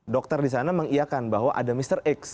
dokter di sana mengiakan bahwa ada mr x